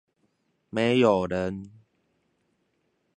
沒有人